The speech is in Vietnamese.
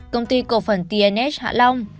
công ty cổ phần tnh hạ long